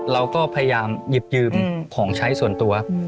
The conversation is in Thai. เราก็พยายามหยิบยืมของใช้ส่วนตัว